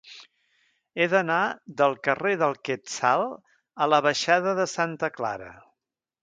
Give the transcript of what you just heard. He d'anar del carrer del Quetzal a la baixada de Santa Clara.